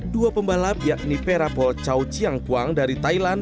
dua pembalap yakni perapol chow chiang kuang dari thailand